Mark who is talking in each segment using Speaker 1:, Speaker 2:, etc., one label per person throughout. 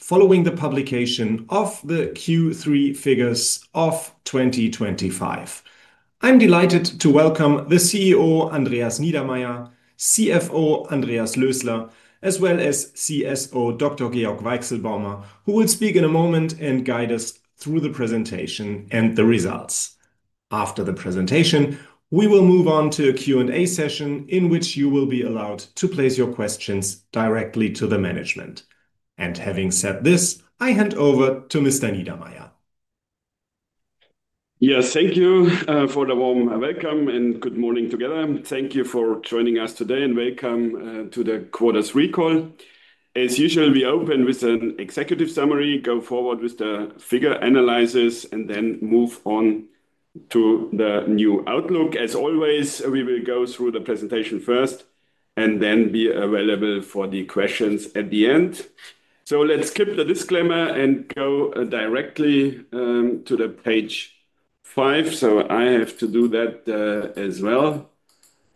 Speaker 1: Following the publication of the Q3 figures of 2025, I'm delighted to welcome the CEO, Andreas Niedermaier, CFO, Andreas Lösler, as well as CSO, Dr. Georg Weichselbaumer, who will speak in a moment and guide us through the presentation and the results. After the presentation, we will move on to a Q&A session in which you will be allowed to place your questions directly to the management. Having said this, I hand over to Mr. Niedermaier.
Speaker 2: Yes, thank you for the warm welcome and good morning together. Thank you for joining us today and welcome to the quarter's recall. As usual, we open with an executive summary, go forward with the figure analysis, and then move on to the new outlook. As always, we will go through the presentation first and then be available for the questions at the end. Let's skip the disclaimer and go directly to page five. I have to do that as well.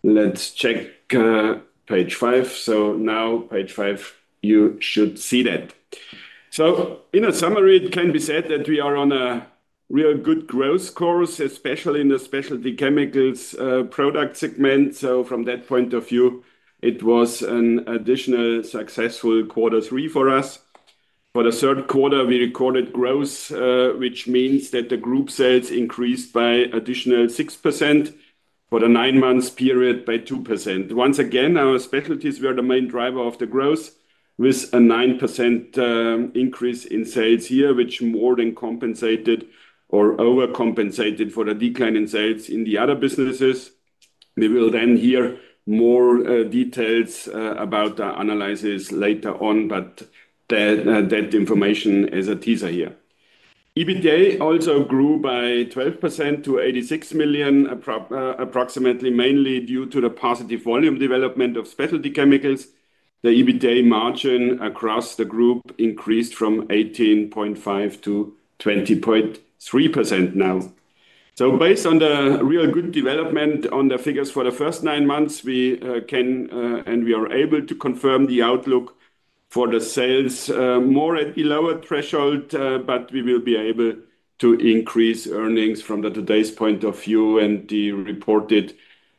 Speaker 2: Let's check page five. Now page five, you should see that. In a summary, it can be said that we are on a real good growth course, especially in the specialty chemicals product segment. From that point of view, it was an additional successful quarter three for us. For the third quarter, we recorded growth, which means that the group sales increased by an additional 6%. For the nine months period, by 2%. Once again, our specialties were the main driver of the growth, with a 9% increase in sales here, which more than compensated or overcompensated for the decline in sales in the other businesses. We will then hear more details about the analysis later on, but that information is a teaser here. EBITDA also grew by 12% to 86 million, approximately mainly due to the positive volume development of specialty chemicals. The EBITDA margin across the group increased from 18.5% to 20.3% now. Based on the real good development on the figures for the first nine months, we can and we are able to confirm the outlook for the sales more at the lower threshold, but we will be able to increase earnings from today's point of view, and the reported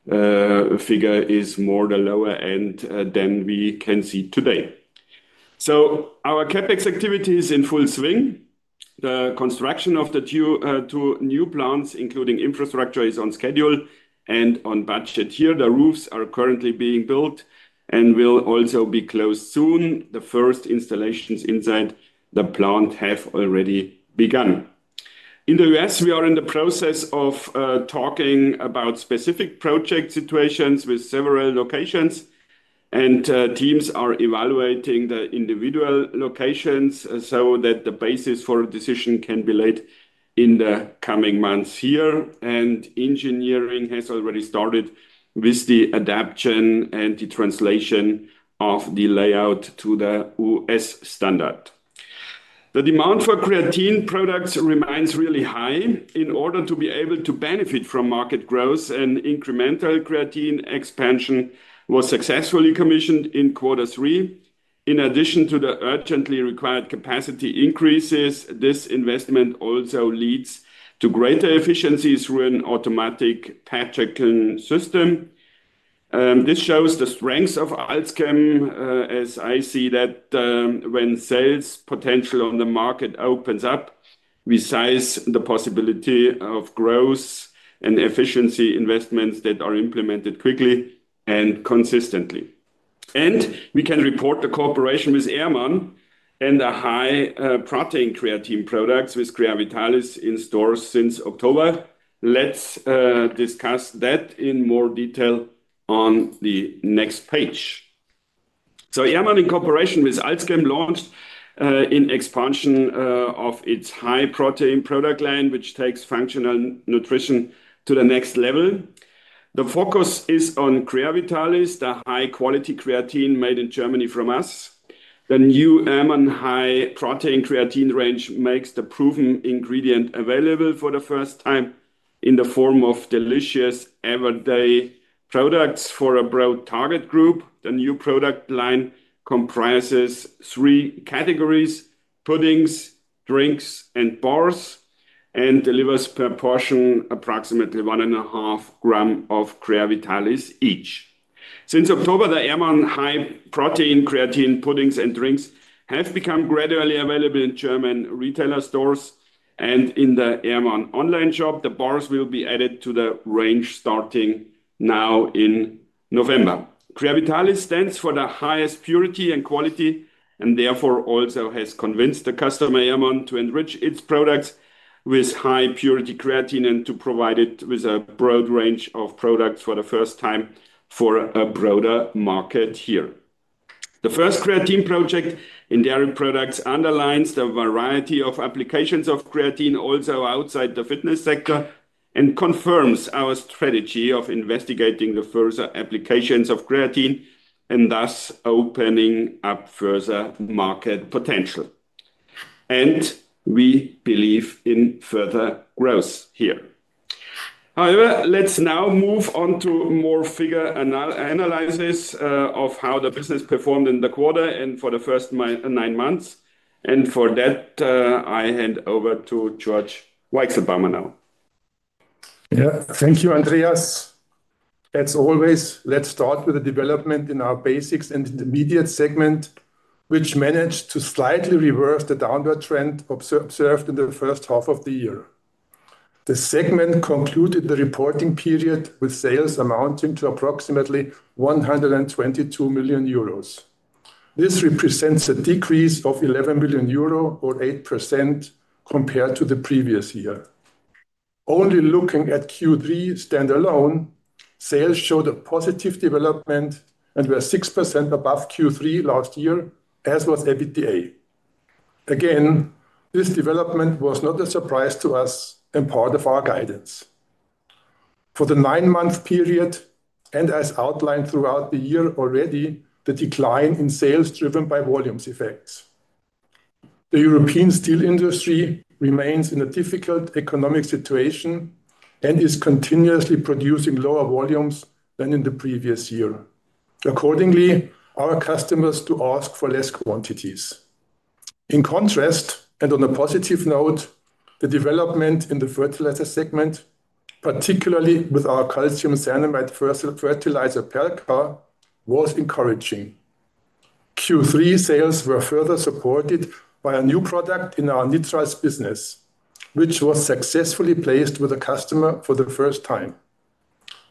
Speaker 2: figure is more the lower end than we can see today. Our CapEx activity is in full swing. The construction of the two new plants, including infrastructure, is on schedule and on budget here. The roofs are currently being built and will also be closed soon. The first installations inside the plant have already begun. In the U.S., we are in the process of talking about specific project situations with several locations, and teams are evaluating the individual locations so that the basis for a decision can be laid in the coming months here. Engineering has already started with the adaption and the translation of the layout to the U.S. standard. The demand for creatine products remains really high. In order to be able to benefit from market growth and incremental creatine expansion, it was successfully commissioned in quarter three. In addition to the urgently required capacity increases, this investment also leads to greater efficiencies through an automatic patching system. This shows the strengths of AlzChem as I see that when sales potential on the market opens up, we size the possibility of growth and efficiency investments that are implemented quickly and consistently. We can report the cooperation with Ehrmann and the high protein creatine products with Creavitalis in stores since October. Let's discuss that in more detail on the next page. Ehrmann, in cooperation with AlzChem, launched an expansion of its high protein product line, which takes functional nutrition to the next level. The focus is on Creavitalis, the high-quality creatine made in Germany from us. The new Ehrmann high protein creatine range makes the proven ingredient available for the first time in the form of delicious everyday products for a broad target group. The new product line comprises three categories: puddings, drinks, and bars, and delivers per portion approximately 1.5 grams of Creavitalis each. Since October, the Ehrmann high protein creatine puddings and drinks have become gradually available in German retailer stores and in the Ehrmann online shop. The bars will be added to the range starting now in November. Creavitalis stands for the highest purity and quality and therefore also has convinced the customer Ehrmann to enrich its products with high purity creatine and to provide it with a broad range of products for the first time for a broader market here. The first creatine project in dairy products underlines the variety of applications of creatine also outside the fitness sector and confirms our strategy of investigating the further applications of creatine and thus opening up further market potential. We believe in further growth here. However, let's now move on to more figure analysis of how the business performed in the quarter and for the first nine months. For that, I hand over to Georg Weichselbaumer now.
Speaker 3: Yeah, thank you, Andreas. As always, let's start with the development in our basics and intermediate segment, which managed to slightly reverse the downward trend observed in the first half of the year. The segment concluded the reporting period with sales amounting to approximately 122 million euros. This represents a decrease of 11 million euro or 8% compared to the previous year. Only looking at Q3 standalone, sales showed a positive development and were 6% above Q3 last year, as was EBITDA. Again, this development was not a surprise to us and part of our guidance. For the nine-month period, and as outlined throughout the year already, the decline in sales is driven by volumes effects. The European steel industry remains in a difficult economic situation and is continuously producing lower volumes than in the previous year. Accordingly, our customers ask for less quantities. In contrast, and on a positive note, the development in the fertilizer segment, particularly with our calcium cyanide fertilizer Perlka, was encouraging. Q3 sales were further supported by a new product in our nitrite business, which was successfully placed with a customer for the first time.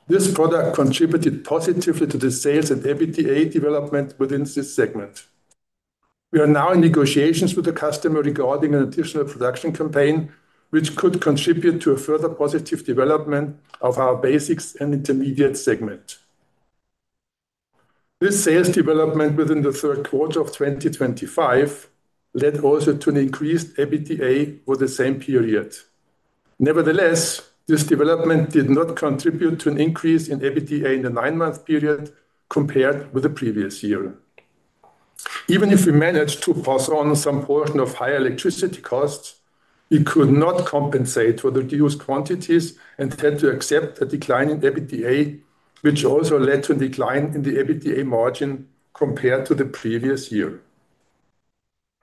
Speaker 3: This product contributed positively to the sales and EBITDA development within this segment. We are now in negotiations with the customer regarding an additional production campaign, which could contribute to a further positive development of our basics and intermediate segment. This sales development within the third quarter of 2025 led also to an increased EBITDA for the same period. Nevertheless, this development did not contribute to an increase in EBITDA in the nine-month period compared with the previous year. Even if we managed to pass on some portion of higher electricity costs, it could not compensate for the reduced quantities and had to accept a decline in EBITDA, which also led to a decline in the EBITDA margin compared to the previous year.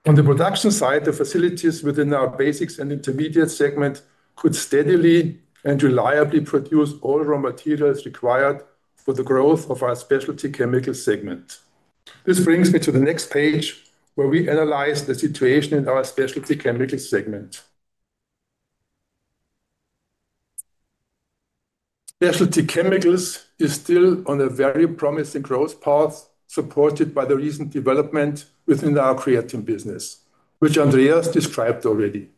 Speaker 3: On the production side, the facilities within our basics and intermediate segment could steadily and reliably produce all raw materials required for the growth of our specialty chemicals segment. This brings me to the next page where we analyze the situation in our specialty chemicals segment. Specialty chemicals is still on a very promising growth path supported by the recent development within our creatine business, which Andreas described already.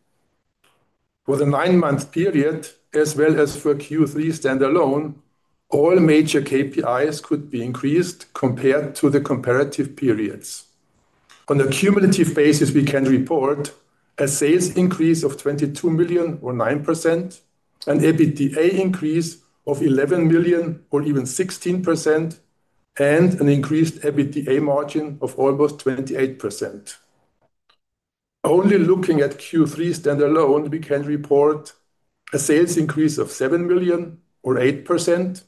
Speaker 3: For the nine-month period, as well as for Q3 standalone, all major KPIs could be increased compared to the comparative periods. On a cumulative basis, we can report a sales increase of 22 million or 9%, an EBITDA increase of 11 million or even 16%, and an increased EBITDA margin of almost 28%. Only looking at Q3 standalone, we can report a sales increase of 7 million or 8%,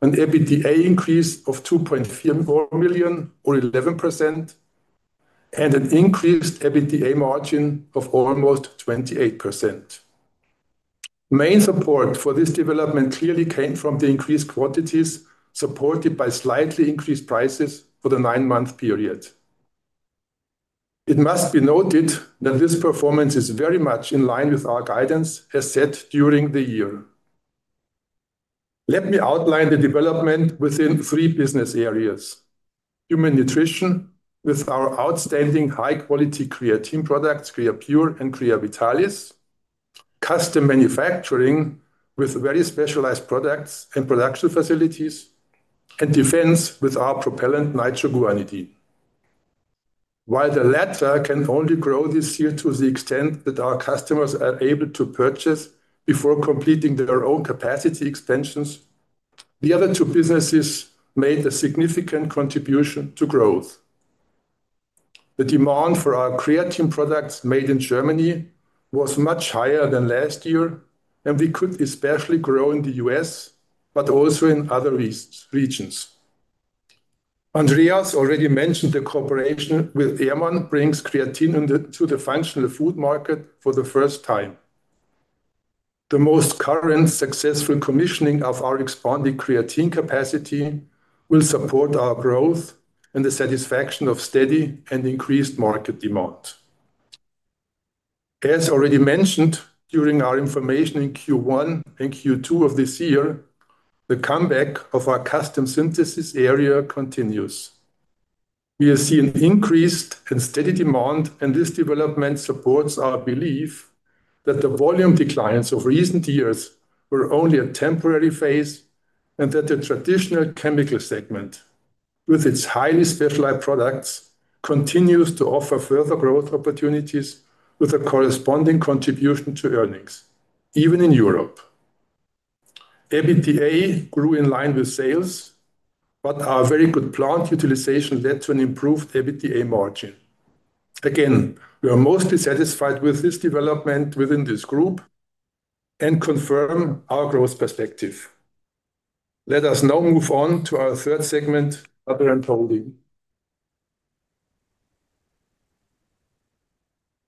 Speaker 3: an EBITDA increase of 2.4 million or 11%, and an increased EBITDA margin of almost 28%. Main support for this development clearly came from the increased quantities supported by slightly increased prices for the nine-month period. It must be noted that this performance is very much in line with our guidance as set during the year. Let me outline the development within three business areas: human nutrition with our outstanding high-quality creatine products, Creapure and Creavitalis; custom manufacturing with very specialized products and production facilities; and defense with our propellant nitroguanidine. While the latter can only grow this year to the extent that our customers are able to purchase before completing their own capacity extensions, the other two businesses made a significant contribution to growth. The demand for our creatine products made in Germany was much higher than last year, and we could especially grow in the U.S., but also in other regions. Andreas already mentioned the cooperation with Ehrmann brings creatine into the functional food market for the first time. The most current successful commissioning of our expanded creatine capacity will support our growth and the satisfaction of steady and increased market demand. As already mentioned during our information in Q1 and Q2 of this year, the comeback of our custom synthesis area continues. We are seeing increased and steady demand, and this development supports our belief that the volume declines of recent years were only a temporary phase and that the traditional chemical segment, with its highly specialized products, continues to offer further growth opportunities with a corresponding contribution to earnings, even in Europe. EBITDA grew in line with sales, but our very good plant utilization led to an improved EBITDA margin. We are mostly satisfied with this development within this group and confirm our growth perspective. Let us now move on to our third segment, other end holding.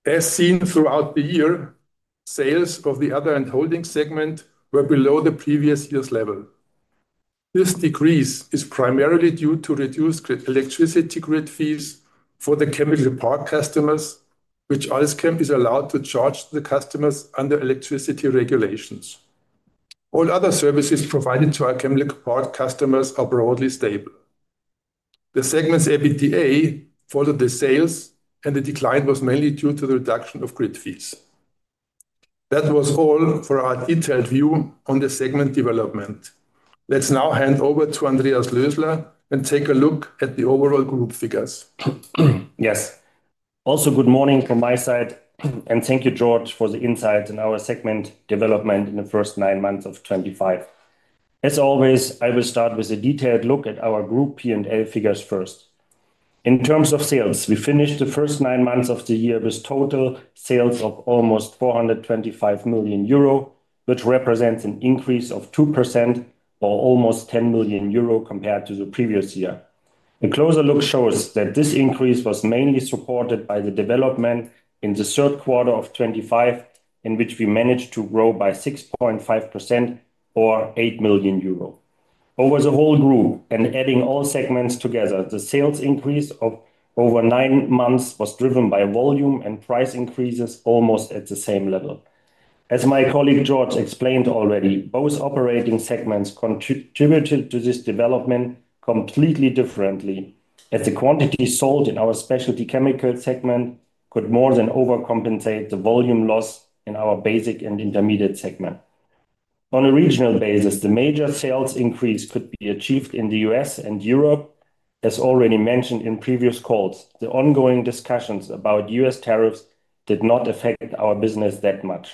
Speaker 3: As seen throughout the year, sales of the other end holding segment were below the previous year's level. This decrease is primarily due to reduced electricity grid fees for the chemical part customers, which AlzChem is allowed to charge to the customers under electricity regulations. All other services provided to our chemical part customers are broadly stable. The segment's EBITDA followed the sales, and the decline was mainly due to the reduction of grid fees. That was all for our detailed view on the segment development. Let's now hand over to Andreas Lösler and take a look at the overall group figures.
Speaker 4: Yes, also good morning from my side, and thank you, Georg, for the insights in our segment development in the first nine months of 2025. As always, I will start with a detailed look at our group P&L figures first. In terms of sales, we finished the first nine months of the year with total sales of almost 425 million euro, which represents an increase of 2% or almost 10 million euro compared to the previous year. A closer look shows that this increase was mainly supported by the development in the third quarter of 2025, in which we managed to grow by 6.5% or 8 million euro. Over the whole group and adding all segments together, the sales increase of over nine months was driven by volume and price increases almost at the same level. As my colleague Georg explained already, both operating segments contributed to this development completely differently, as the quantity sold in our specialty chemicals segment could more than overcompensate the volume loss in our basic and intermediate segment. On a regional basis, the major sales increase could be achieved in the U.S. and Europe. As already mentioned in previous calls, the ongoing discussions about U.S. tariffs did not affect our business that much.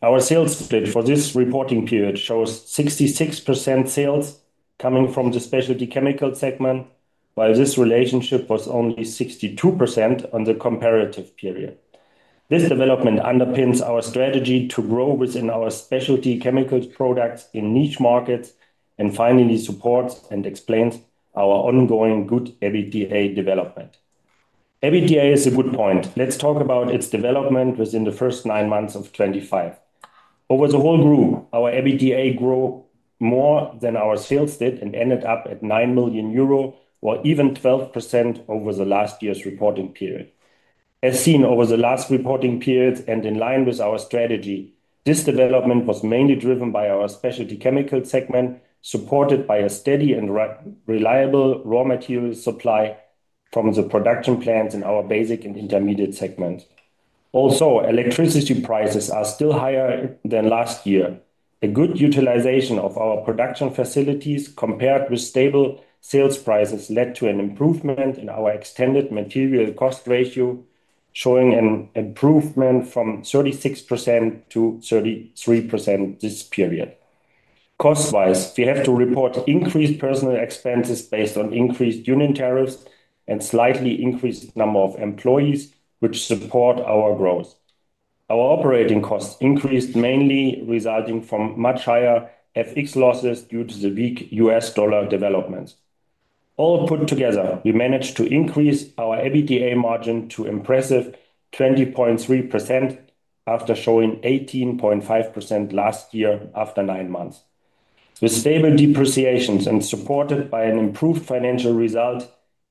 Speaker 4: Our sales split for this reporting period shows 66% sales coming from the specialty chemicals segment, while this relationship was only 62% in the comparative period. This development underpins our strategy to grow within our specialty chemicals products in niche markets and finally supports and explains our ongoing good EBITDA development. EBITDA is a good point. Let's talk about its development within the first nine months of 2025. Over the whole group, our EBITDA grew more than our sales did and ended up at 9 million euro or even 12% over last year's reporting period. As seen over the last reporting periods and in line with our strategy, this development was mainly driven by our specialty chemicals segment, supported by a steady and reliable raw material supply from the production plants in our basic and intermediate segments. Also, electricity prices are still higher than last year. A good utilization of our production facilities compared with stable sales prices led to an improvement in our extended material cost ratio, showing an improvement from 36% to 33% this period. Cost-wise, we have to report increased personnel expenses based on increased union tariffs and slightly increased number of employees, which support our growth. Our operating costs increased mainly resulting from much higher FX losses due to the weak U.S. dollar developments. All put together, we managed to increase our EBITDA margin to impressive 20.3% after showing 18.5% last year after nine months. With stable depreciations and supported by an improved financial result,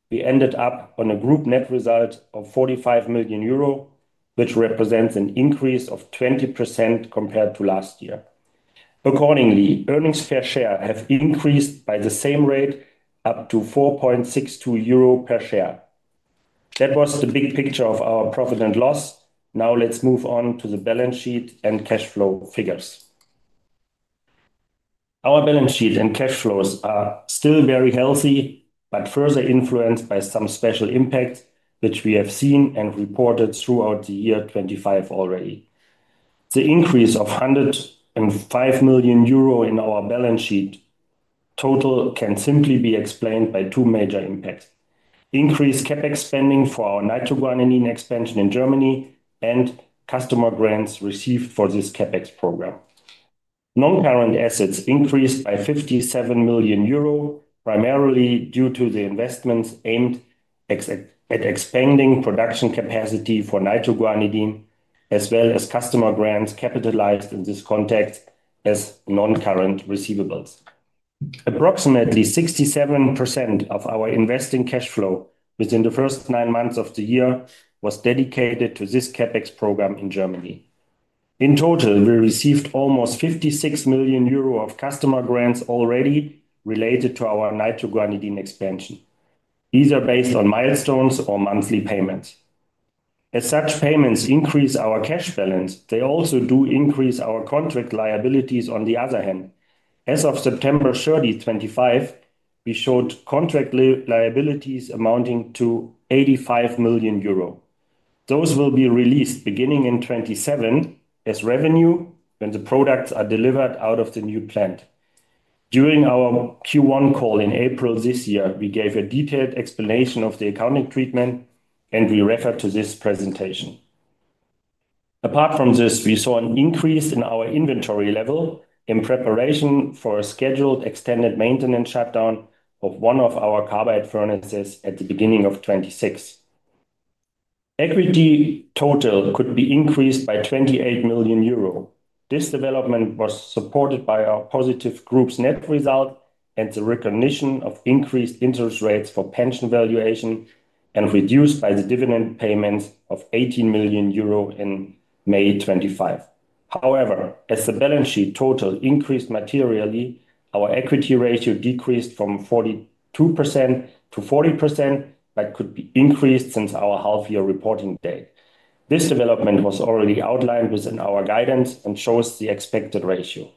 Speaker 4: we ended up on a group net result of 45 million euro, which represents an increase of 20% compared to last year. Accordingly, earnings per share have increased by the same rate, up to 4.62 euro per share. That was the big picture of our profit and loss. Now let's move on to the balance sheet and cash flow figures. Our balance sheet and cash flows are still very healthy, but further influenced by some special impacts, which we have seen and reported throughout the year 2025 already. The increase of 105 million euro in our balance sheet total can simply be explained by two major impacts: increased CapEx spending for our nitroguanidine expansion in Germany and customer grants received for this CapEx program. Non-current assets increased by 57 million euro, primarily due to the investments aimed at expanding production capacity for nitroguanidine, as well as customer grants capitalized in this context as non-current receivables. Approximately 67% of our investing cash flow within the first nine months of the year was dedicated to this CapEx program in Germany. In total, we received almost 56 million euro of customer grants already related to our nitroguanidine expansion. These are based on milestones or monthly payments. As such payments increase our cash balance, they also do increase our contract liabilities. On the other hand, as of September 30, 2025, we showed contract liabilities amounting to 85 million euro. Those will be released beginning in 2027 as revenue when the products are delivered out of the new plant. During our Q1 call in April this year, we gave a detailed explanation of the accounting treatment and we refer to this presentation. Apart from this, we saw an increase in our inventory level in preparation for a scheduled extended maintenance shutdown of one of our calcium carbide furnaces at the beginning of 2026. Equity total could be increased by 28 million euro. This development was supported by our positive group's net result and the recognition of increased interest rates for pension valuation and reduced by the dividend payments of 18 million euro in May 2025. However, as the balance sheet total increased materially, our equity ratio decreased from 42% to 40%, but could be increased since our half-year reporting date. This development was already outlined within our guidance and shows the expected ratio.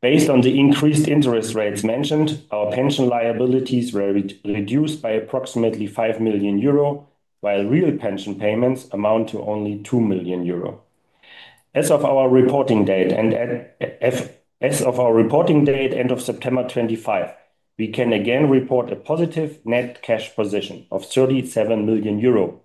Speaker 4: Based on the increased interest rates mentioned, our pension liabilities were reduced by approximately 5 million euro, while real pension payments amount to only 2 million euro. As of our reporting date and as of our reporting date end of September 2025, we can again report a positive net cash position of 37 million euro.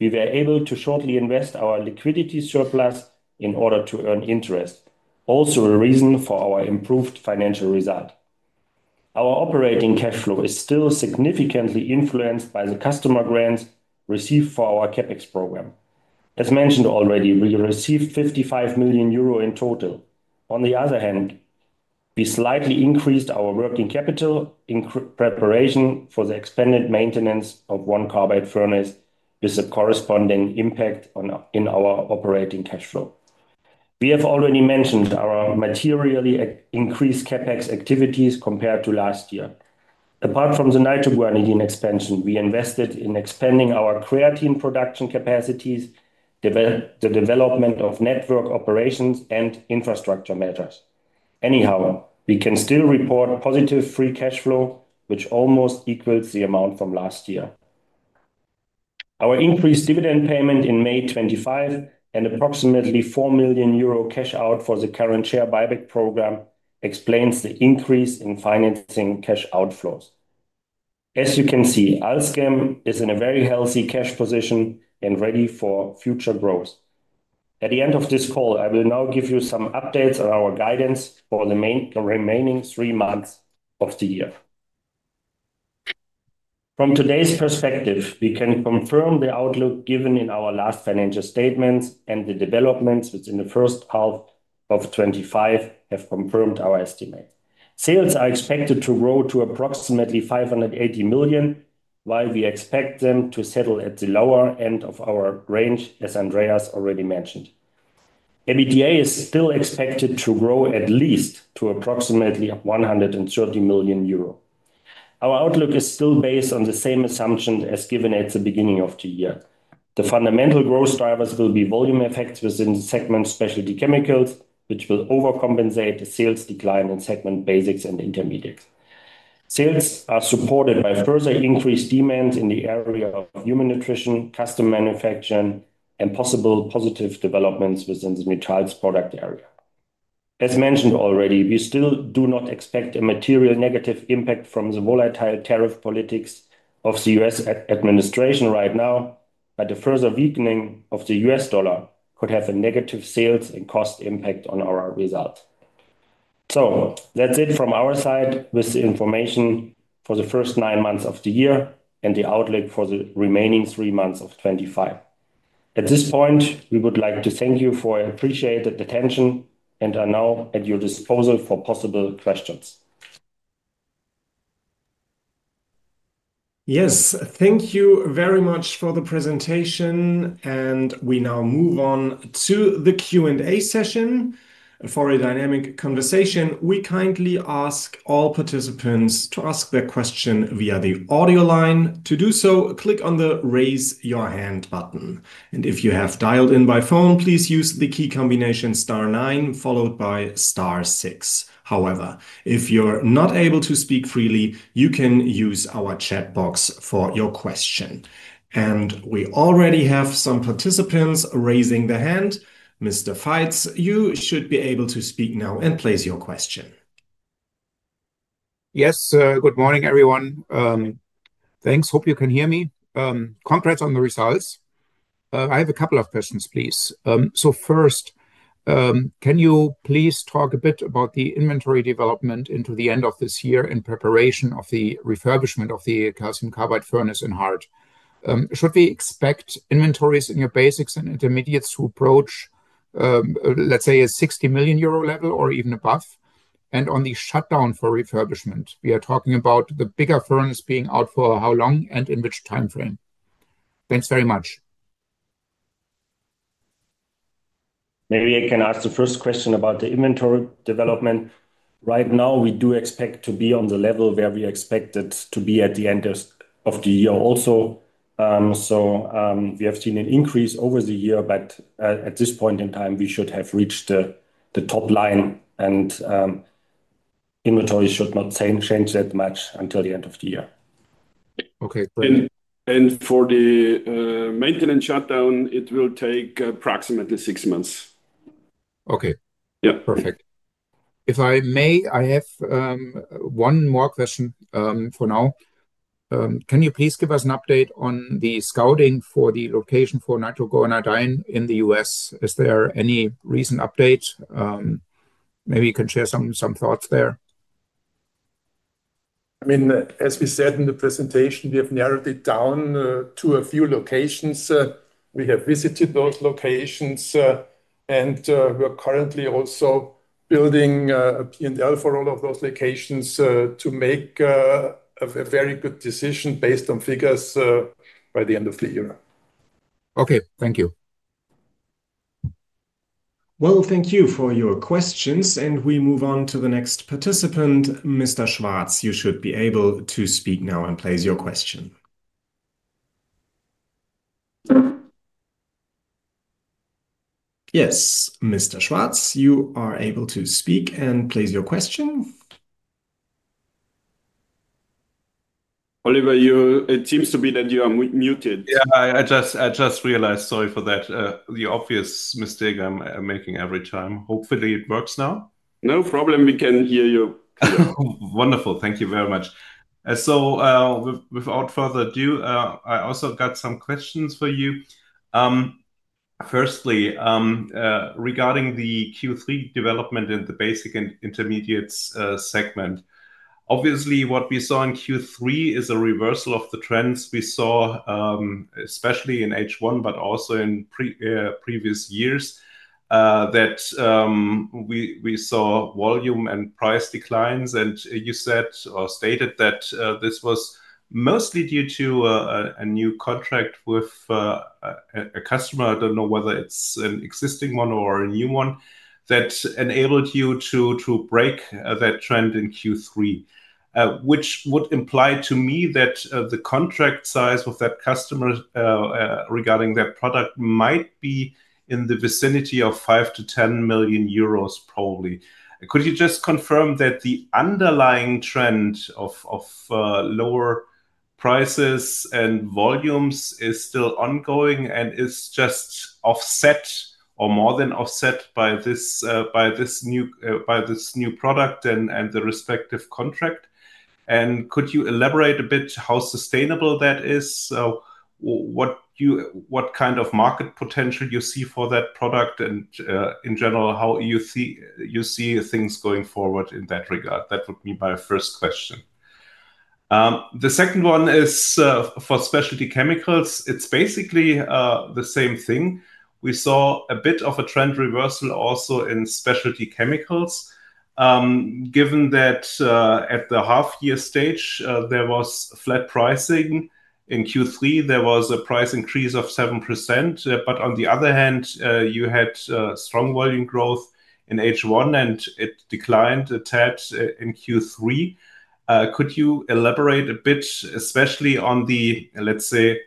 Speaker 4: We were able to shortly invest our liquidity surplus in order to earn interest, also a reason for our improved financial result. Our operating cash flow is still significantly influenced by the customer grants received for our CapEx program. As mentioned already, we received 55 million euro in total. On the other hand, we slightly increased our working capital in preparation for the expanded maintenance of one calcium carbide furnace with a corresponding impact in our operating cash flow. We have already mentioned our materially increased CapEx activities compared to last year. Apart from the nitroguanidine expansion, we invested in expanding our creatine production capacities, the development of network operations, and infrastructure matters. Anyhow, we can still report positive free cash flow, which almost equals the amount from last year. Our increased dividend payment in May 2025 and approximately 4 million euro cash out for the current share buyback program explain the increase in financing cash outflows. As you can see, AlzChem is in a very healthy cash position and ready for future growth. At the end of this call, I will now give you some updates on our guidance for the remaining three months of the year. From today's perspective, we can confirm the outlook given in our last financial statements, and the developments within the first half of 2025 have confirmed our estimate. Sales are expected to grow to approximately 580 million, while we expect them to settle at the lower end of our range, as Andreas already mentioned. EBITDA is still expected to grow at least to approximately 130 million euro. Our outlook is still based on the same assumption as given at the beginning of the year. The fundamental growth drivers will be volume effects within the segment specialty chemicals, which will overcompensate the sales decline in segment basics and intermediates. Sales are supported by further increased demands in the area of human nutrition, custom manufacturing, and possible positive developments within the nitrite product area. As mentioned already, we still do not expect a material negative impact from the volatile tariff politics of the U.S. administration right now, but the further weakening of the U.S. dollar could have a negative sales and cost impact on our results. That is it from our side with the information for the first nine months of the year and the outlook for the remaining three months of 2025. At this point, we would like to thank you for your appreciated attention and are now at your disposal for possible questions.
Speaker 1: Yes, thank you very much for the presentation, and we now move on to the Q&A session. For a dynamic conversation, we kindly ask all participants to ask their question via the audio line. To do so, click on the "Raise Your Hand" button. If you have dialed in by phone, please use the key combination star nine followed by star six. However, if you're not able to speak freely, you can use our chat box for your question. We already have some participants raising their hand. Mr. Faitz, you should be able to speak now and place your question.
Speaker 5: Yes, good morning everyone. Thanks. Hope you can hear me. Congrats on the results. I have a couple of questions, please. First, can you please talk a bit about the inventory development into the end of this year in preparation of the refurbishment of the calcium carbide furnace in Hart? Should we expect inventories in your basics and intermediates to approach, let's say, a 60 million euro level or even above? On the shutdown for refurbishment, we are talking about the bigger furnace being out for how long and in which timeframe. Thanks very much.
Speaker 4: Maybe I can ask the first question about the inventory development. Right now, we do expect to be on the level where we expect it to be at the end of the year also. We have seen an increase over the year, but at this point in time, we should have reached the top line and inventory should not change that much until the end of the year.
Speaker 5: Okay, great.
Speaker 2: For the maintenance shutdown, it will take approximately six months.
Speaker 5: Okay,
Speaker 2: yeah,
Speaker 5: perfect. If I may, I have one more question for now. Can you please give us an update on the scouting for the location for nitroguanidine in the U.S.? Is there any recent update? Maybe you can share some thoughts there.
Speaker 3: I mean, as we said in the presentation, we have narrowed it down to a few locations. We have visited those locations, and we're currently also building a P&L for all of those locations to make a very good decision based on figures by the end of the year.
Speaker 5: Okay, thank you.
Speaker 1: Thank you for your questions. We move on to the next participant, Mr. Schwarz. You should be able to speak now and place your question. Yes, Mr. Schwarz, you are able to speak and place your question.
Speaker 2: Oliver, it seems to be that you are muted.
Speaker 6: Yeah, I just realized. Sorry for that. The obvious mistake I'm making every time. Hopefully, it works now.
Speaker 2: No problem. We can hear you clearly.
Speaker 6: Wonderful. Thank you very much. Without further ado, I also got some questions for you. Firstly, regarding the Q3 development in the basic and intermediate segment, obviously, what we saw in Q3 is a reversal of the trends we saw, especially in H1, but also in previous years, that we saw volume and price declines. You said or stated that this was mostly due to a new contract with a customer. I don't know whether it's an existing one or a new one that enabled you to break that trend in Q3, which would imply to me that the contract size of that customer regarding that product might be in the vicinity of 5 million-10 million euros probably. Could you just confirm that the underlying trend of lower prices and volumes is still ongoing and is just offset or more than offset by this new product and the respective contract? Could you elaborate a bit how sustainable that is? What kind of market potential you see for that product and in general, how you see things going forward in that regard? That would be my first question. The second one is for specialty chemicals. It's basically the same thing. We saw a bit of a trend reversal also in specialty chemicals, given that at the half-year stage, there was flat pricing. In Q3, there was a price increase of 7%. On the other hand, you had strong volume growth in H1, and it declined a tad in Q3. Could you elaborate a bit, especially on the, let's say,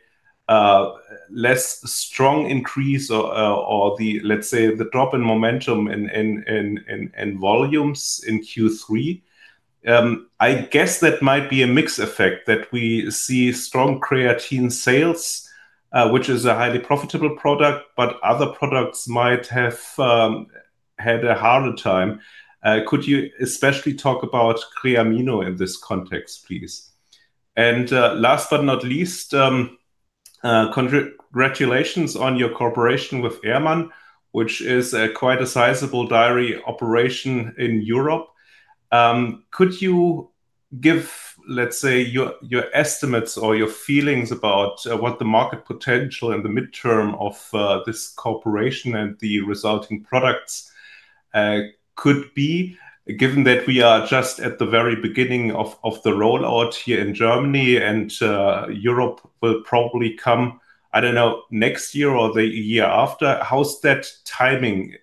Speaker 6: less strong increase or the, let's say, the drop in momentum and volumes in Q3? I guess that might be a mixed effect that we see strong creatine sales, which is a highly profitable product, but other products might have had a harder time. Could you especially talk about Creamino in this context, please? Last but not least, congratulations on your cooperation with Ehrmann, which is quite a sizable dairy operation in Europe. Could you give, let's say, your estimates or your feelings about what the market potential in the midterm of this cooperation and the resulting products could be, given that we are just at the very beginning of the rollout here in Germany and Europe will probably come, I don't know, next year or the year after? How's that timing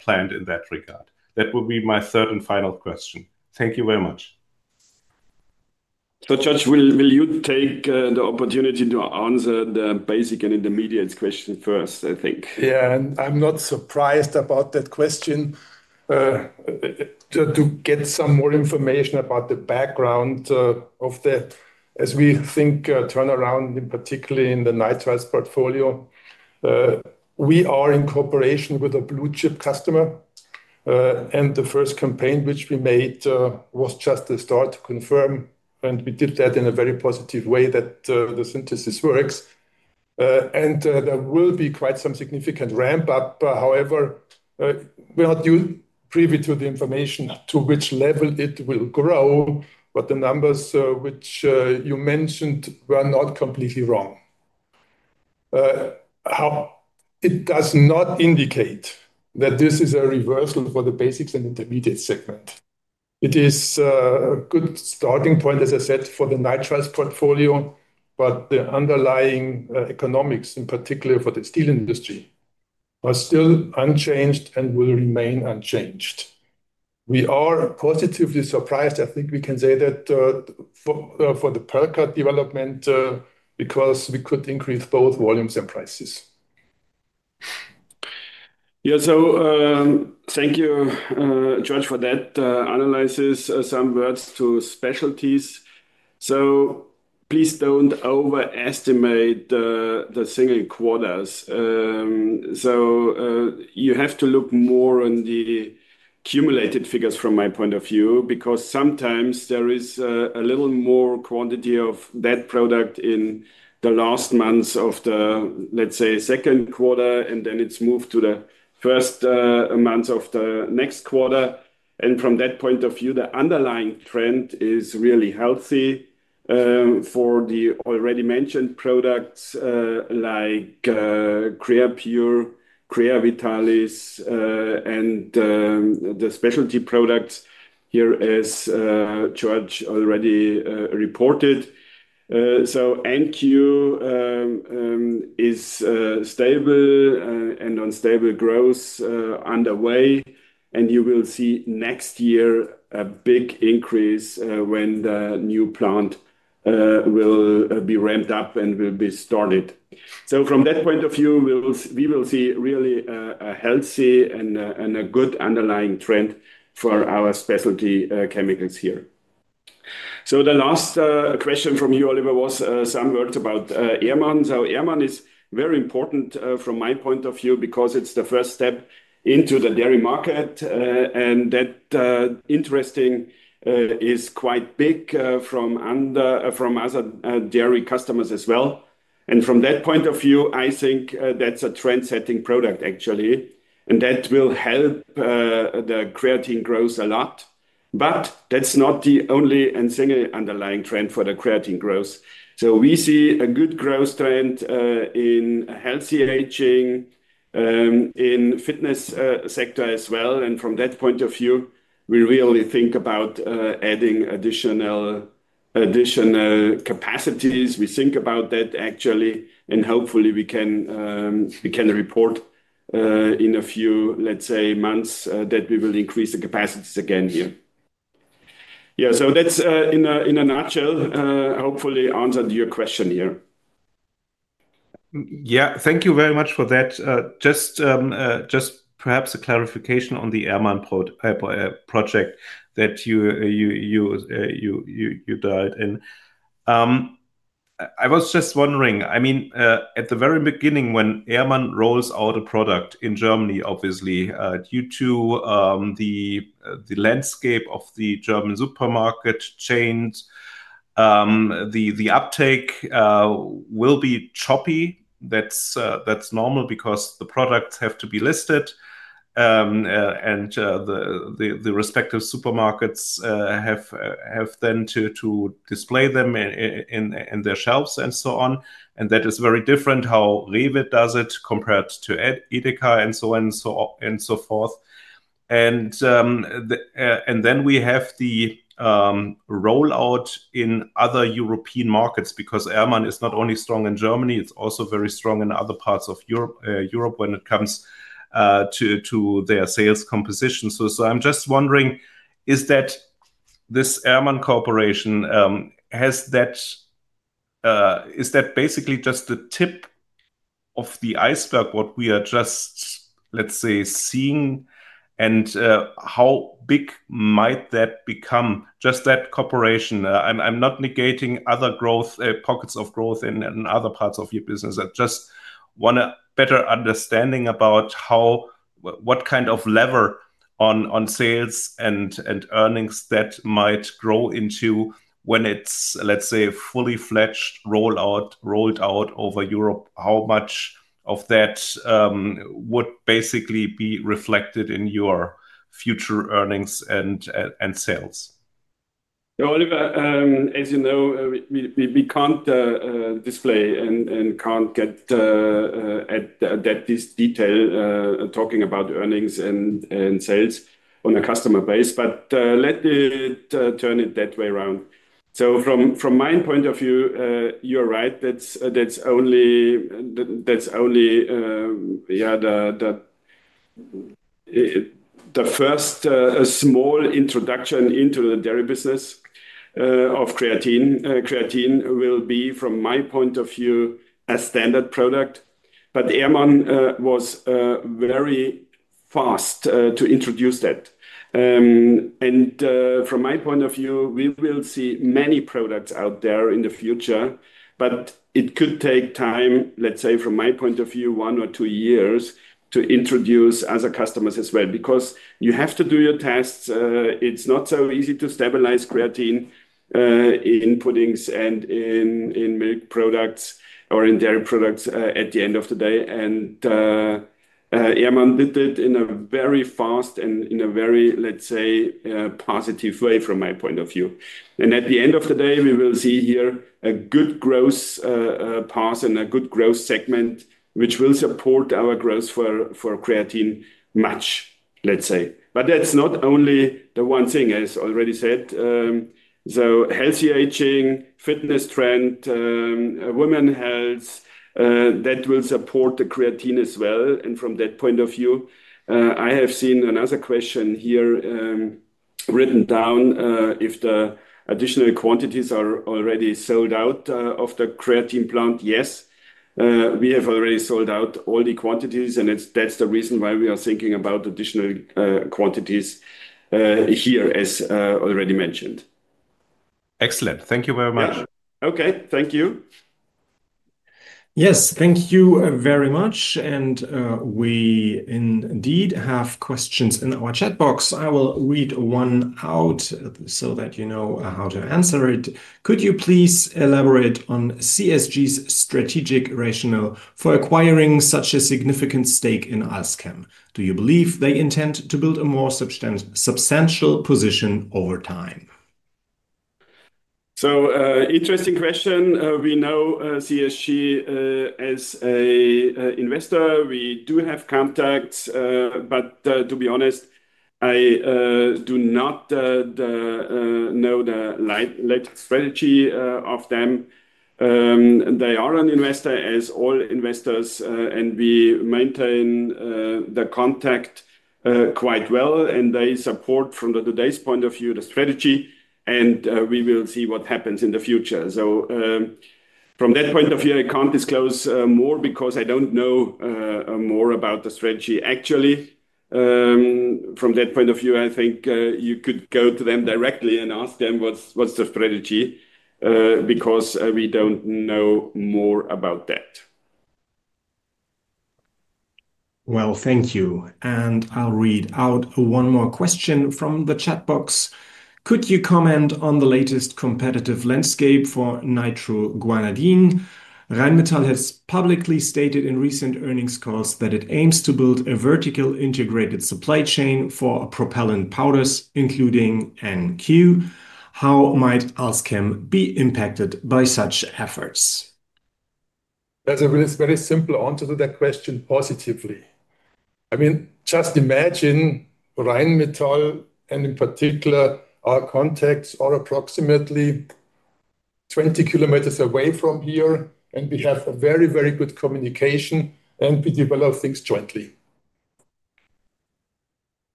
Speaker 6: planned in that regard? That would be my third and final question. Thank you very much.
Speaker 2: Georg, will you take the opportunity to answer the basic and intermediate question first, I think?
Speaker 3: Yeah, I'm not surprised about that question. To get some more information about the background of that, as we think turnaround, particularly in the nitrites portfolio, we are in cooperation with a blue chip customer, and the first campaign which we made was just a start to confirm, and we did that in a very positive way that the synthesis works. There will be quite some significant ramp-up. However, we're not privy to the information to which level it will grow, but the numbers which you mentioned were not completely wrong. It does not indicate that this is a reversal for the basics and intermediate segment. It is a good starting point, as I said, for the nitrites portfolio, but the underlying economics, in particular for the steel industry, are still unchanged and will remain unchanged. We are positively surprised. I think we can say that for the Perlka development because we could increase both volumes and prices.
Speaker 2: Yeah, so thank you, Georg, for that analysis. Some words to specialties. Please don't overestimate the single quarters. You have to look more on the cumulated figures from my point of view because sometimes there is a little more quantity of that product in the last months of the, let's say, second quarter, and then it's moved to the first month of the next quarter. From that point of view, the underlying trend is really healthy for the already mentioned products like Creapure, Creavitalis, and the specialty products here, as Georg already reported. NQ is stable and on stable growth underway, and you will see next year a big increase when the new plant will be ramped up and will be started. From that point of view, we will see really a healthy and a good underlying trend for our specialty chemicals here. The last question from you, Oliver, was some words about Ehrmann. Ehrmann is very important from my point of view because it's the first step into the dairy market, and that interesting is quite big from other dairy customers as well. From that point of view, I think that's a trend-setting product, actually, and that will help the creatine growth a lot. That's not the only and single underlying trend for the creatine growth. We see a good growth trend in healthy aging, in the fitness sector as well. From that point of view, we really think about adding additional capacities. We think about that, actually, and hopefully we can report in a few, let's say, months that we will increase the capacities again here. Yeah, that's in a nutshell, hopefully answered your question here.
Speaker 6: Yeah, thank you very much for that. Just perhaps a clarification on the Ehrmann project that you did. I was just wondering, I mean, at the very beginning, when Ehrmann rolls out a product in Germany, obviously, due to the landscape of the German supermarket chains, the uptake will be choppy. That's normal because the products have to be listed, and the respective supermarkets have then to display them in their shelves and so on. That is very different how Rewe does it compared to Edeka and so on and so forth. We have the rollout in other European markets because Ehrmann is not only strong in Germany, it's also very strong in other parts of Europe when it comes to their sales composition. I'm just wondering, is this Ehrmann cooperation basically just the tip of the iceberg, what we are just, let's say, seeing? How big might that become, just that cooperation? I'm not negating other pockets of growth in other parts of your business. I just want a better understanding about what kind of lever on sales and earnings that might grow into when it's, let's say, a fully fledged rollout rolled out over Europe. How much of that would basically be reflected in your future earnings and sales?
Speaker 2: Yeah, Oliver, as you know, we can't display and can't get at this detail talking about earnings and sales on a customer base, but let me turn it that way around. From my point of view, you're right, that's only the first small introduction into the dairy business of creatine. Creatine will be, from my point of view, a standard product, but Ehrmann was very fast to introduce that. From my point of view, we will see many products out there in the future, but it could take time, let's say, from my point of view, one or two years to introduce other customers as well because you have to do your tests. It's not so easy to stabilize creatine in puddings and in milk products or in dairy products at the end of the day. Ehrmann did it in a very fast and in a very, let's say, positive way from my point of view. At the end of the day, we will see here a good growth path and a good growth segment which will support our growth for creatine much, let's say. That's not only the one thing, as already said. Healthy aging, fitness trend, women health, that will support the creatine as well. From that point of view, I have seen another question here written down. If the additional quantities are already sold out of the creatine plant, yes, we have already sold out all the quantities, and that's the reason why we are thinking about additional quantities here, as already mentioned.
Speaker 6: Excellent. Thank you very much.
Speaker 2: Okay, thank you.
Speaker 1: Yes, thank you very much. We indeed have questions in our chat box. I will read one out so that you know how to answer it. Could you please elaborate on CSG's strategic rationale for acquiring such a significant stake in AlzChem? Do you believe they intend to build a more substantial position over time?
Speaker 2: Interesting question. We know CSG as an investor. We do have contacts, but to be honest, I do not know the latest strategy of them. They are an investor, as all investors, and we maintain the contact quite well, and they support, from today's point of view, the strategy, and we will see what happens in the future. From that point of view, I can't disclose more because I don't know more about the strategy. Actually, from that point of view, I think you could go to them directly and ask them what's the strategy because we don't know more about that.
Speaker 1: Thank you. I'll read out one more question from the chat box. Could you comment on the latest competitive landscape for nitroguanidine? Rheinmetall has publicly stated in recent earnings calls that it aims to build a vertical integrated supply chain for propellant powders, including NQ. How might AlzChem be impacted by such efforts?
Speaker 2: That's a very simple answer to that question, positively. I mean, just imagine Rheinmetall and in particular our contacts are approximately 20 km away from here, and we have a very, very good communication, and we develop things jointly.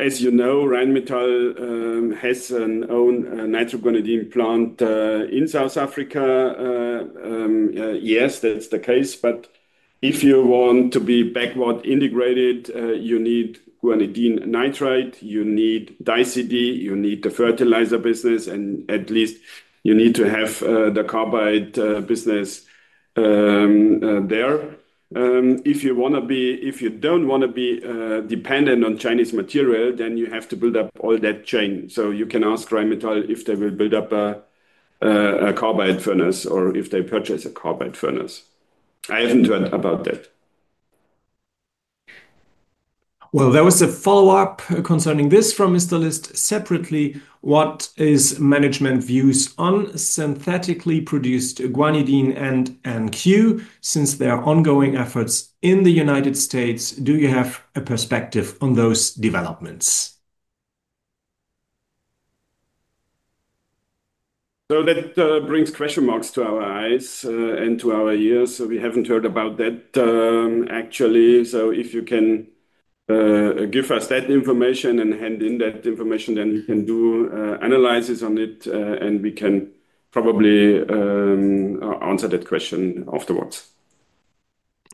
Speaker 2: As you know, Rheinmetall has an own nitroguanidine plant in South Africa. Yes, that's the case, but if you want to be backward integrated, you need guanidine nitrate, you need Dicidi, you need the fertilizer business, and at least you need to have the carbide business there. If you don't want to be dependent on Chinese material, then you have to build up all that chain. You can ask Rheinmetall if they will build up a carbide furnace or if they purchase a carbide furnace. I haven't heard about that.
Speaker 1: There was a follow-up concerning this from Mr. List. Separately, what is management views on synthetically produced guanidine and NQ since their ongoing efforts in the United States? Do you have a perspective on those developments?
Speaker 2: That brings question marks to our eyes and to our ears. We haven't heard about that, actually. If you can give us that information and hand in that information, then we can do an analysis on it, and we can probably answer that question afterwards.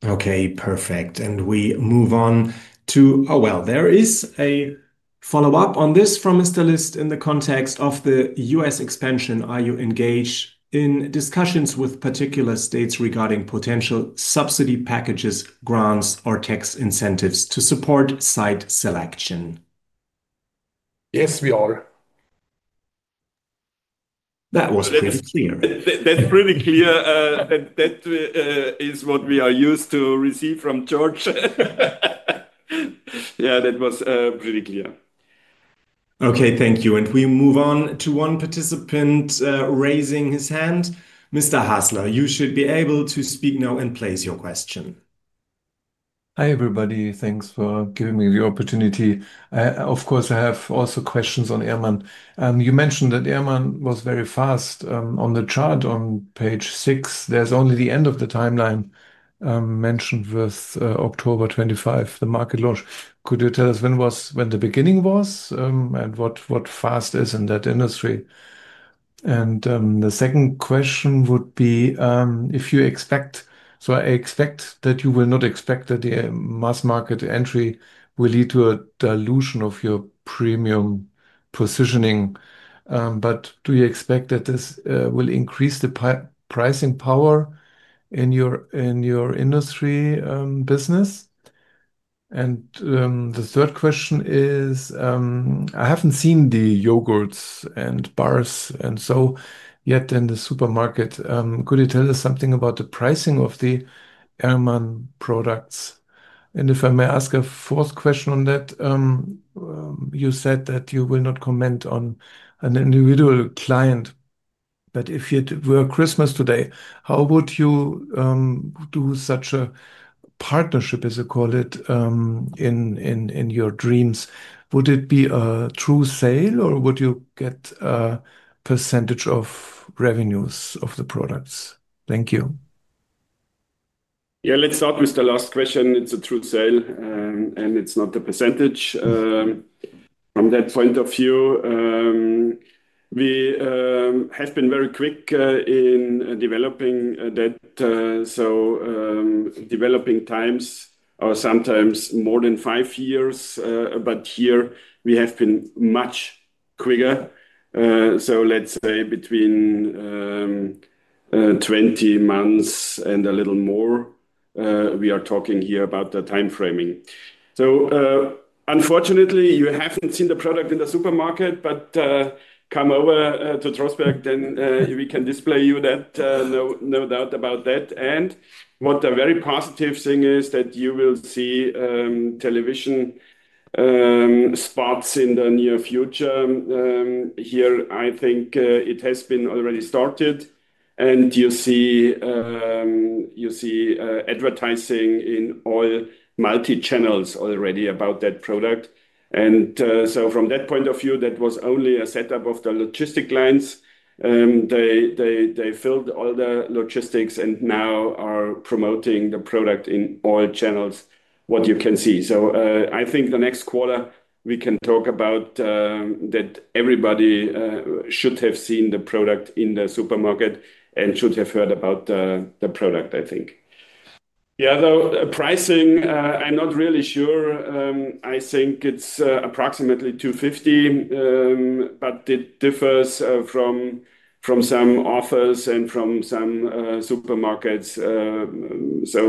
Speaker 1: Okay, perfect. We move on to, oh, there is a follow-up on this from Mr. List in the context of the U.S. expansion. Are you engaged in discussions with particular states regarding potential subsidy packages, grants, or tax incentives to support site selection?
Speaker 3: Yes, we are.
Speaker 1: That was pretty clear.
Speaker 2: That's pretty clear. That is what we are used to receive from Georg. Yeah, that was pretty clear.
Speaker 1: Okay, thank you. We move on to one participant raising his hand. Mr. Hasler, you should be able to speak now and place your question.
Speaker 7: Hi everybody, thanks for giving me the opportunity. I have also questions on Ehrmann. You mentioned that Ehrmann was very fast. On the chart on page six, there's only the end of the timeline mentioned with October 25, the market launch. Could you tell us when the beginning was and what fast is in that industry? The second question would be if you expect, so I expect that you will not expect that the mass market entry will lead to a dilution of your premium positioning. Do you expect that this will increase the pricing power in your industry business? The third question is, I haven't seen the yogurts and bars and so yet in the supermarket. Could you tell us something about the pricing of the Ehrmann products? If I may ask a fourth question on that, you said that you will not comment on an individual client. If it were Christmas today, how would you do such a partnership, as you call it, in your dreams? Would it be a true sale or would you get a percentage of revenues of the products? Thank you.
Speaker 2: Yeah, let's start with the last question. It's a true sale and it's not a percentage. From that point of view, we have been very quick in developing that. Developing times are sometimes more than five years, but here we have been much quicker. Let's say between 20 months and a little more. We are talking here about the time framing. Unfortunately, you haven't seen the product in the supermarket, but come over to Trostberg, then we can display you that. No doubt about that. The very positive thing is that you will see television spots in the near future. I think it has been already started and you see advertising in all multi-channels already about that product. From that point of view, that was only a setup of the logistic lines. They filled all the logistics and now are promoting the product in all channels, what you can see. I think the next quarter we can talk about that everybody should have seen the product in the supermarket and should have heard about the product, I think. Yeah, though pricing, I'm not really sure. I think it's approximately 2.15, but it differs from some offers and from some supermarkets.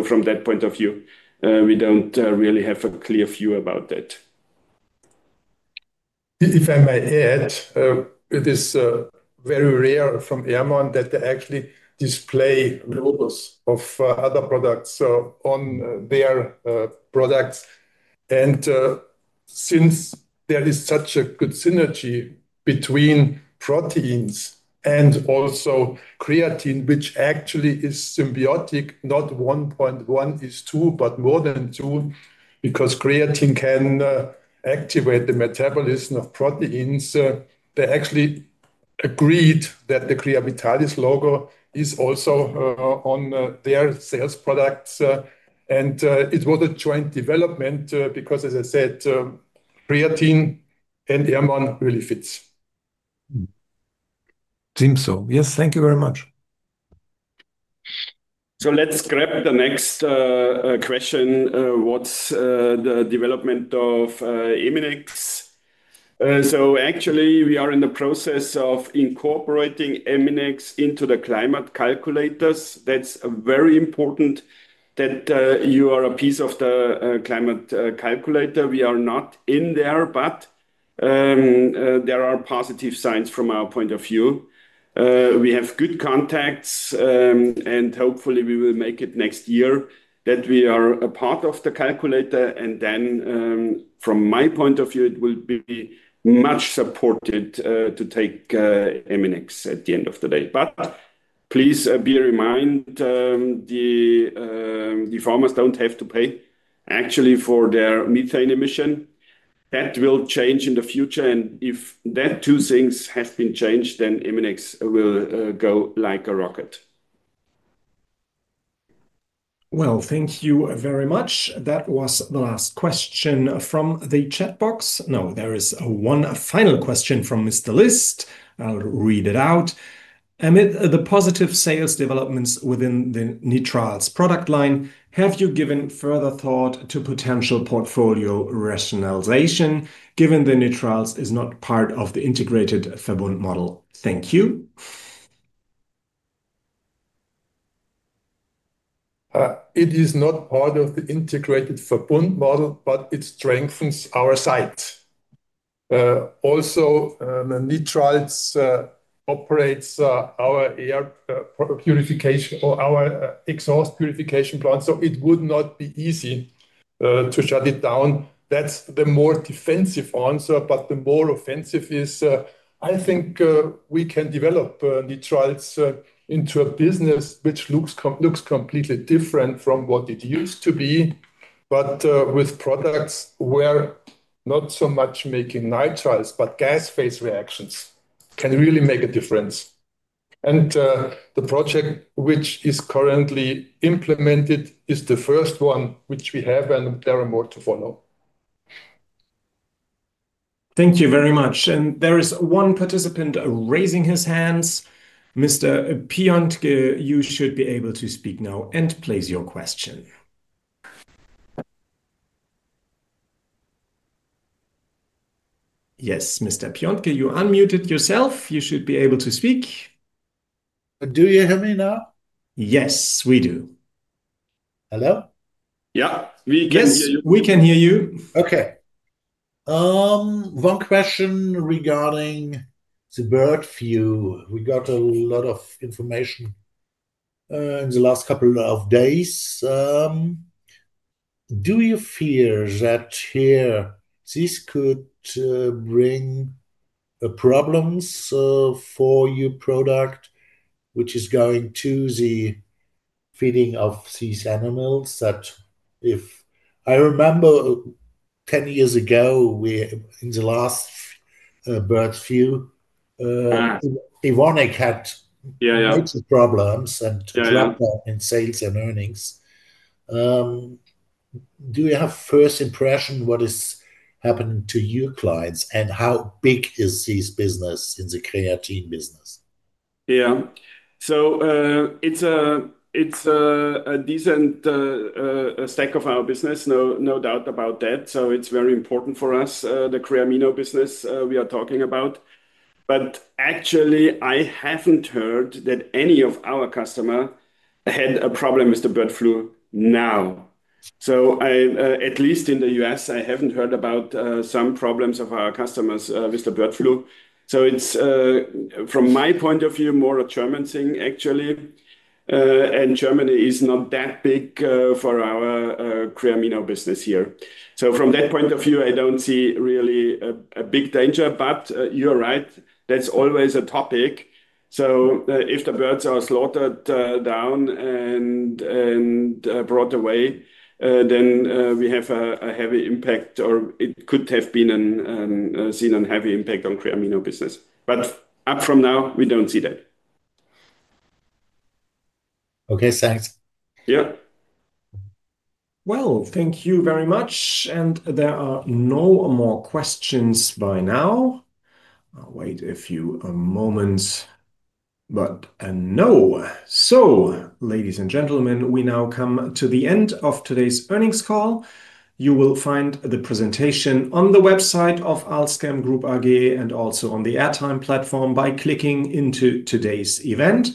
Speaker 2: From that point of view, we don't really have a clear view about that.
Speaker 3: If I may add, it is very rare from Ehrmann that they actually display logos of other products on their products. Since there is such a good synergy between proteins and also creatine, which actually is symbiotic, not 1 point 1 is 2, but more than 2, because creatine can activate the metabolism of proteins, they actually agreed that the Creavitalis logo is also on their sales products. It was a joint development because, as I said, creatine and Ehrmann really fit.
Speaker 7: Seems so. Yes, thank you very much.
Speaker 2: Let's grab the next question. What's the development of Eminex? We are in the process of incorporating Eminex into the climate calculators. It's very important that you are a piece of the climate calculator. We are not in there, but there are positive signs from our point of view. We have good contacts and hopefully we will make it next year that we are a part of the calculator. From my point of view, it will be much supported to take Eminex at the end of the day. Please be reminded, the farmers don't have to pay actually for their methane emission. That will change in the future. If those two things have been changed, then Eminex will go like a rocket.
Speaker 1: Thank you very much. That was the last question from the chat box. No, there is one final question from Mr. List. I'll read it out. Amid the positive sales developments within the nitriles product line, have you given further thought to potential portfolio rationalization given the nitriles is not part of the integrated Verbund model? Thank you.
Speaker 3: It is not part of the integrated Verbund model, but it strengthens our site. Also, nitriles operates our air purification or our exhaust purification plant. It would not be easy to shut it down. That's the more defensive answer, but the more offensive is I think we can develop nitriles into a business which looks completely different from what it used to be, with products where not so much making nitriles, but gas phase reactions can really make a difference. The project which is currently implemented is the first one which we have and there are more to follow.
Speaker 1: Thank you very much. There is one participant raising his hand. Mr. Piątko, you should be able to speak now and place your question. Yes, Mr. Piątko, you unmuted yourself. You should be able to speak. Do you hear me now? Yes, we do. Hello?
Speaker 2: Yeah, we can hear you.
Speaker 1: Yes, we can hear you. Okay. One question regarding the bird feed. We got a lot of information in the last couple of days. Do you fear that here this could bring problems for your product, which is going to the feeding of these animals? I remember 10 years ago, in the last bird feed, Evonik had major problems and dropped that in sales and earnings. Do you have a first impression of what is happening to your clients and how big is this business in the creatine business?
Speaker 2: Yeah, so it's a decent stack of our business, no doubt about that. It's very important for us, the Creamino business we are talking about. Actually, I haven't heard that any of our customers had a problem with the bird flu now. At least in the U.S., I haven't heard about some problems of our customers with the bird flu. From my point of view, it's more a German thing, actually. Germany is not that big for our Creamino business here. From that point of view, I don't see really a big danger. You're right, that's always a topic. If the birds are slaughtered down and brought away, then we have a heavy impact, or it could have been seen a heavy impact on the Creamino business. Up from now, we don't see that. Okay, thanks. Yeah.
Speaker 1: Thank you very much. There are no more questions by now. I'll wait a few moments. No. Ladies and gentlemen, we now come to the end of today's earnings call. You will find the presentation on the website of AlzChem Group AG and also on the Airtime platform by clicking into today's event.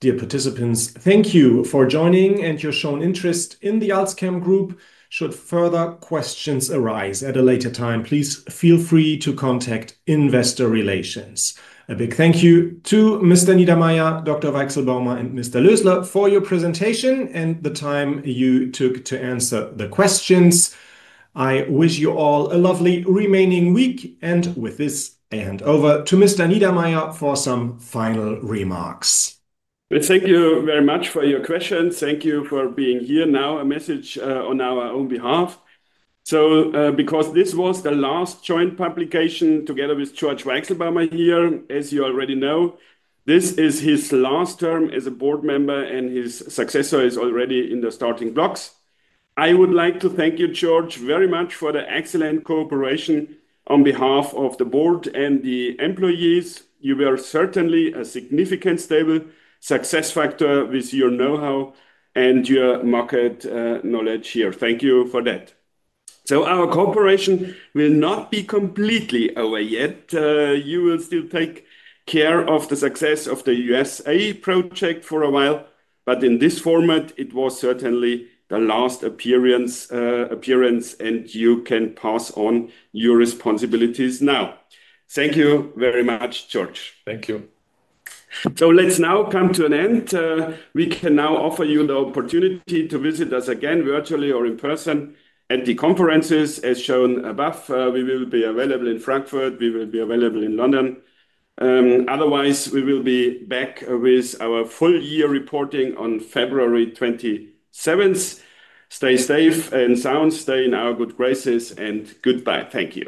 Speaker 1: Dear participants, thank you for joining and your shown interest in the AlzChem Group. Should further questions arise at a later time, please feel free to contact Investor Relations. A big thank you to Mr. Niedermaier, Dr. Weichselbaumer, and Mr. Lösler for your presentation and the time you took to answer the questions. I wish you all a lovely remaining week. With this, I hand over to Mr. Niedermaier for some final remarks.
Speaker 2: Thank you very much for your questions. Thank you for being here. Now, a message on our own behalf. This was the last joint publication together with Georg Weichselbaumer here, as you already know, this is his last term as a board member and his successor is already in the starting blocks. I would like to thank you, Georg, very much for the excellent cooperation on behalf of the board and the employees. You were certainly a significant stable success factor with your know-how and your market knowledge here. Thank you for that. Our cooperation will not be completely over yet. You will still take care of the success of the USA project for a while. In this format, it was certainly the last appearance and you can pass on your responsibilities now. Thank you very much, Georg.
Speaker 3: Thank you.
Speaker 2: Let's now come to an end. We can now offer you the opportunity to visit us again virtually or in person at the conferences, as shown above. We will be available in Frankfurt. We will be available in London. Otherwise, we will be back with our full year reporting on February 27th. Stay safe and sound. Stay in our good graces and goodbye. Thank you.